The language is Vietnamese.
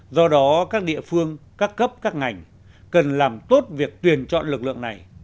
do đó các địa phương các cấp các ngành cần làm tốt việc tuyển chọn lực lượng này